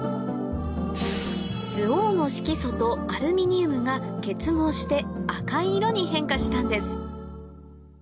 スオウの色素とアルミニウムが結合して赤い色に変化したんです